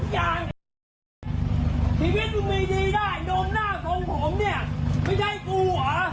แต่ทั้งแม่กูแบบนี้กูทำไม่ถูก